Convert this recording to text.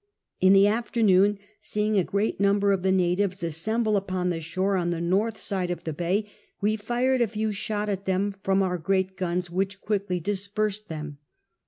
In the afternoon, seeing a great number of the natives assemble upon the shore on the north side of the bay, we fired a few shot at them from our great guns, which quickly dispersed them.